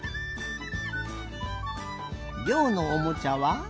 りょうのおもちゃは？